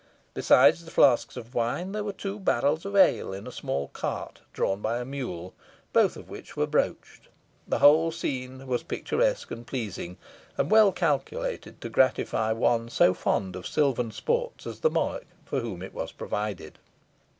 Besides the flasks of wine, there were two barrels of ale in a small cart, drawn by a mule, both of which were broached. The whole scene was picturesque and pleasing, and well calculated to gratify one so fond of silvan sports as the monarch for whom it was provided.